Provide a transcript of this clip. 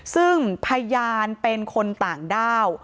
ซึ่งพยานเป็นคนต่างด้าว